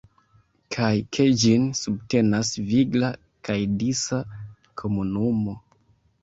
Kaj ke ĝin subtenas vigla kaj disa komunumo.